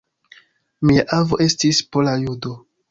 Mia avo estis pola judo.